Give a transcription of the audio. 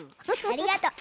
ありがとう！